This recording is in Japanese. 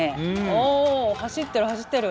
おお走ってる走ってる！